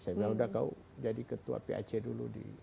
saya bilang sudah kau jadi ketua pac dulu di bawah